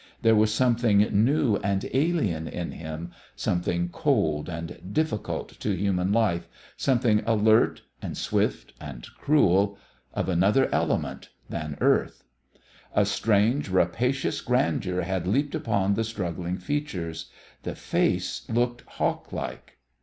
There was something new and alien in him, something cold and difficult to human life, something alert and swift and cruel, of another element than earth. A strange, rapacious grandeur had leaped upon the struggling features. The face looked hawk like.